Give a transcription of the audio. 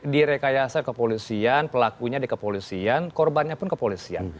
direkayasa kepolisian pelakunya di kepolisian korbannya pun kepolisian